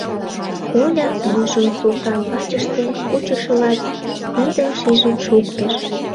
Оля, вуйжым Султан вачыште кучышыла, тидым шижын шуктыш.